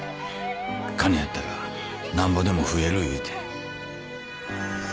金やったら何ぼでも増える言うて。